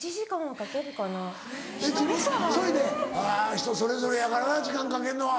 人それぞれやからな時間かけるのは。